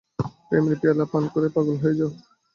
প্রেমের পেয়ালা পান করে পাগল হয়ে যাও।